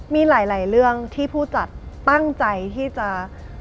มีหลายเรื่องที่ผู้จัดตั้งใจที่จะ